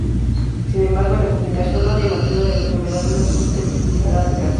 Sin embargo, la complicación más llamativa de la enfermedad es la susceptibilidad al cáncer.